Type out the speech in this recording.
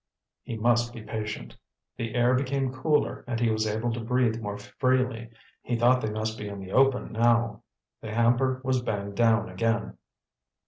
He must be patient. The air became cooler and he was able to breathe more freely. He thought they must be in the open now. The hamper was banged down again.